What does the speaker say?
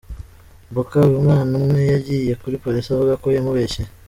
Mboka, uyu mwana ubwe yagiye kuri Polisi avuga ko yamubeshyeye.